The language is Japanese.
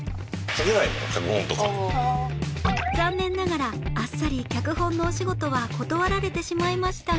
残念ながらあっさり脚本のお仕事は断られてしまいましたが